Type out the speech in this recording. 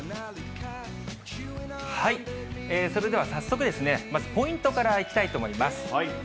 それでは早速、まず、ポイントからいきたいと思います。